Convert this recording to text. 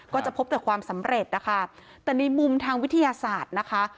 ก็จะพบแต่ความสำเร็จนะคะแต่ในมุมทางวิทยาศาสตร์นะคะ